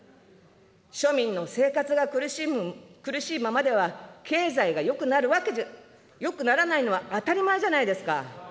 庶民の生活が苦しいままでは経済がよくならないのは当たり前じゃないですか。